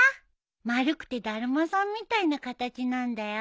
丸くてだるまさんみたいな形なんだよ。